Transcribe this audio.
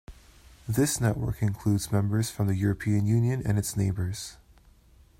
This network includes members from the European Union and its neighbors.